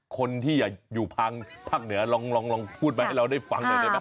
คนที่อยู่ภาคเหนือลองพูดให้เราได้ฟังหน่อย